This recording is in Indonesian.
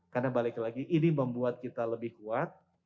karena balik lagi ini membuat kita lebih kuat